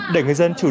để người dân chú ý